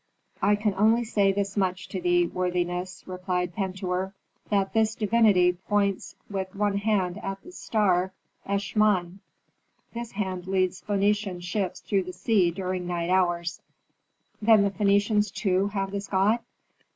"I can only say this much to thee, worthiness," replied Pentuer, "that this divinity points with one hand at the star Eshmun. This hand leads Phœnician ships through the sea during night hours." Polar star. "Then the Phœnicians, too, have this god?"